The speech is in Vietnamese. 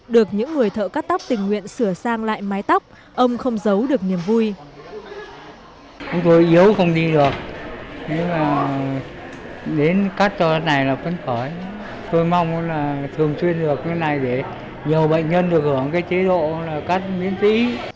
được những người thợ cắt tóc tình nguyện sửa sang lại mái tóc ông không giấu được niềm vui